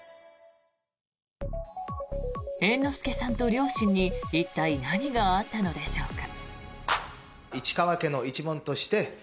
猿之助さんと両親に一体、何があったのでしょうか。